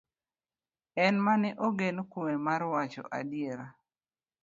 En mane ogen kuome mar wacho adiera.